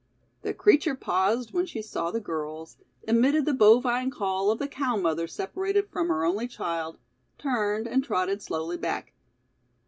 The creature paused when she saw the girls, emitted the bovine call of the cow mother separated from her only child, turned and trotted slowly back.